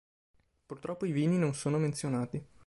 Purtroppo, i vini non sono menzionati.